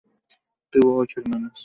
Tuvo ocho hermanos.